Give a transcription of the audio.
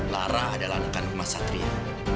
lara adalah anak anak rumah satria